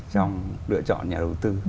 trong lựa chọn nhà đầu tư